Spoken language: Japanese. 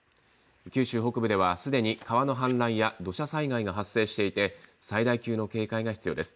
九州北部ではすでに川の氾濫や土砂災害が発生していて最大級の警戒が必要です。